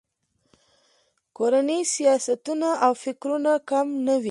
کورني سیاستونه او فکرونه کم نه وي.